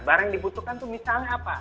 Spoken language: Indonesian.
barang yang dibutuhkan itu misalnya apa